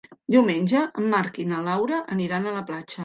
Diumenge en Marc i na Laura aniran a la platja.